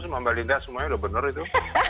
mbak linda semuanya sudah benar itu